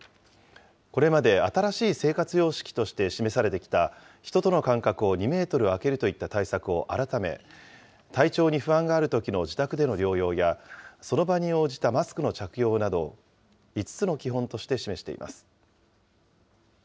これまで新しい生活様式として示されてきた、人との間隔を２メートル空けるといった対策を改め、体調に不安があるときの自宅での療養や、その場に応じたマスクの着用など、５つの基本として示しています。